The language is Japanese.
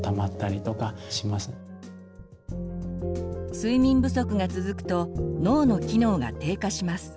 睡眠不足が続くと脳の機能が低下します。